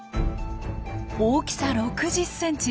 大きさ６０センチ。